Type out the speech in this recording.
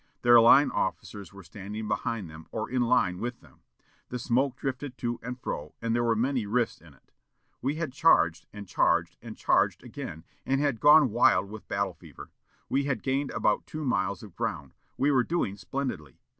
Their line officers were standing behind them or in line with them. The smoke drifted to and fro, and there were many rifts in it.... We had charged, and charged, and charged again, and had gone wild with battle fever. We had gained about two miles of ground. We were doing splendidly.